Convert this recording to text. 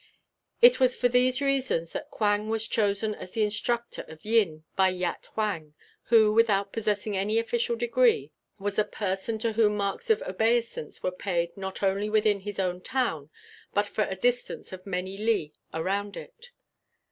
It was for these reasons that Quang was chosen as the instructor of Yin by Yat Huang, who, without possessing any official degree, was a person to whom marks of obeisance were paid not only within his own town, but for a distance of many li around it.